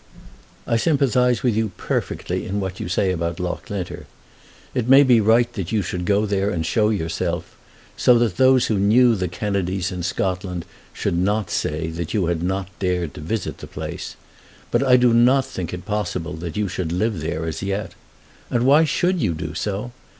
I sympathise with you perfectly in what you say about Loughlinter. It may be right that you should go there and show yourself, so that those who knew the Kennedys in Scotland should not say that you had not dared to visit the place, but I do not think it possible that you should live there as yet. And why should you do so?